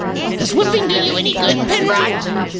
Does whipping do you any good, Penrod?"